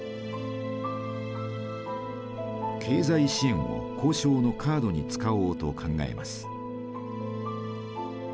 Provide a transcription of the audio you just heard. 経済支援を交渉のカードに使おうと考えます。